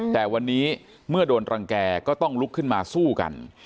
แต่วันนี้เมื่อโดนรังแก่ก็ต้องลุกขึ้นมาสู้กัน